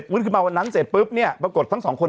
วึ่นไปใช้ที่ปุ๊บทั้ง๒คน